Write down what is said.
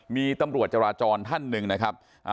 มีตำรวจจราจรท่านหนึ่งนะครับ